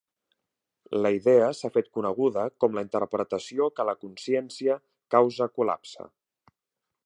La idea s'ha fet coneguda com la interpretació que la consciència causa col·lapse.